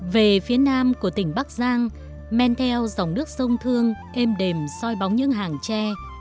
về phía nam của tỉnh bắc giang men theo dòng nước sông thương êm đềm soi bóng những hàng tre